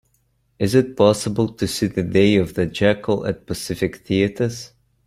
Is it possible to see The Day of the Jackal at Pacific Theatres